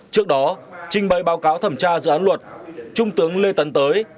trước đó trình bày báo cáo thẩm tra dự án luật trung tướng lê tấn tới